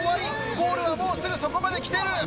ゴールはもうすぐそこまで来てる。